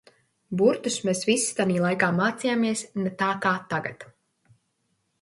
Burtus mēs visi tanī laikā mācījāmies ne tā kā tagad.